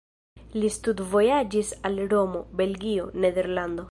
Li studvojaĝis al Romo, Belgio, Nederlando.